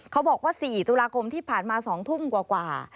เขาบอกว่า๔ตุลาคมที่ผ่านมา๒ทุ่มกว่า